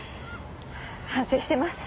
反省してます。